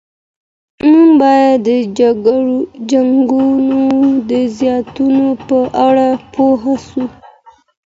موږ باید د جنګونو د زیانونو په اړه پوه سو.